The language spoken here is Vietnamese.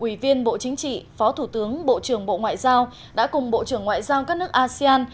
ủy viên bộ chính trị phó thủ tướng bộ trưởng bộ ngoại giao đã cùng bộ trưởng ngoại giao các nước asean